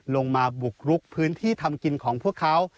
บุกรุกพื้นที่ทำกินของพวกเขา